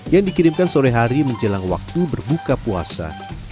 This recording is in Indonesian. yang dikirimkan sore hari menjelang waktu berbuka puasa